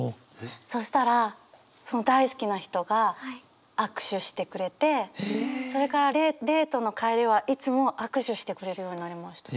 そしたらその大好きな人が握手してくれてそれからデートの帰りはいつも握手してくれるようになりました。